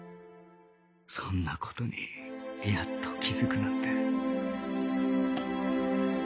そんな事にやっと気づくなんて